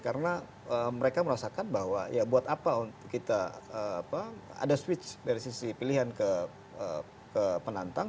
karena mereka merasakan bahwa ya buat apa kita ada switch dari sisi pilihan ke penantang